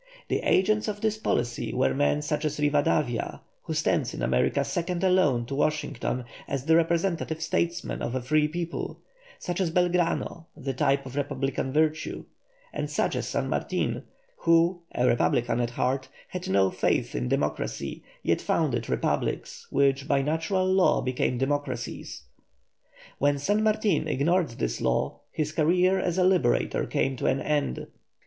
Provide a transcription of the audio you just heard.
The agents of this policy were men such as Rivadavia, who stands in America second alone to Washington as the representative statesman of a free people; such as Belgrano, the type of republican virtue; and such as San Martin, who, a republican at heart, had no faith in democracy, yet founded republics which by natural law became democracies. When San Martin ignored this law, his career as a liberator came to an end.